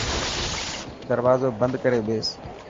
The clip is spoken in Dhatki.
دروازو بند ڪري ٻيس.